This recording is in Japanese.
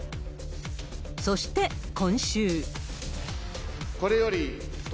そして今週。